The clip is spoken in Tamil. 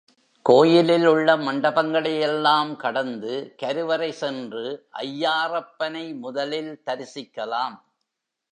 கோயிலில் உள்ள மண்டபங்களை யெல்லாம் கடந்து கருவறை சென்று ஐயாறப்பனை முதலில் தரிசிக்கலாம்.